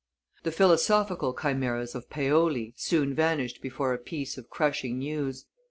The philosophical chimeras of Paoli soon vanished before a piece of crushing news.